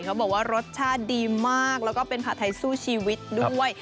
เขาบอกว่ารสชาติดีมากแล้วก็เป็นผัดไทยสู้ชีวิตด้วย